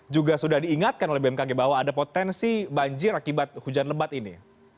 juga sudah diingatkan oleh bmkg bahwa ada potensi banjir akibat hujan lebat ini